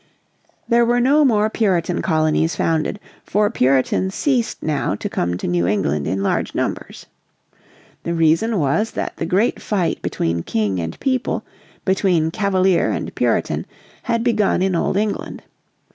There were no more Puritan colonies founded, for Puritans ceased now to come to New England in large numbers. The reason was that the great fight between King and People, between Cavalier and Puritan had begun in old England.